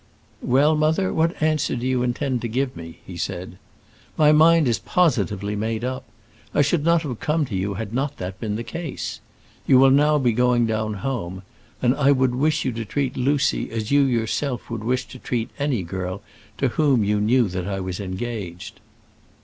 "Well, mother, what answer do you intend to give me?" he said. "My mind is positively made up. I should not have come to you had not that been the case. You will now be going down home, and I would wish you to treat Lucy as you yourself would wish to treat any girl to whom you knew that I was engaged."